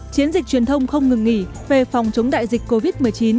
chiến dịch truyền thông không ngừng nghỉ về phòng chống đại dịch covid một mươi chín